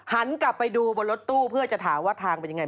หันกลับไปดูบนรถตู้เพื่อจะถามว่าทางเป็นยังไง